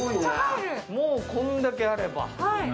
もう、こんだけあれば。